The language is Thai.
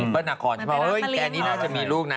เปิ้ลน่าคอนใช่ไหมแกนี้น่าจะมีลูกนะ